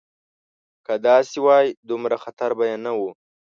که داسې وای دومره خطر به یې نه و.